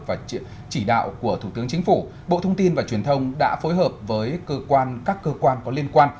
và chỉ đạo của thủ tướng chính phủ bộ thông tin và truyền thông đã phối hợp với các cơ quan có liên quan